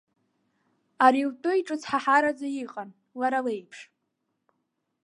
Ари лтәы иҿыцҳаҳараӡа иҟан, лара леиԥш.